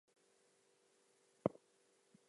At that point.